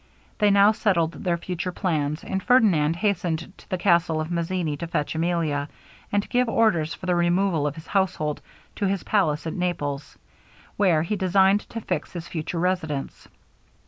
They now settled their future plans; and Ferdinand hastened to the castle of Mazzini to fetch Emilia, and to give orders for the removal of his household to his palace at Naples, where he designed to fix his future residence.